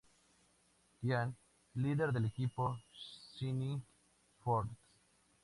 Ian: Líder del equipo "Shining Force".